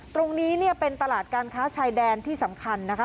ตรงนี้เนี่ยเป็นตลาดการค้าชายแดนที่สำคัญนะคะ